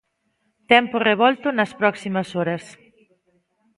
Tempo revolto nas próximas horas.